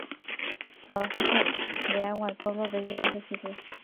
Abastece de agua al pueblo desde hace siglos.